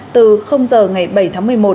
từ giờ ngày bảy tháng một mươi một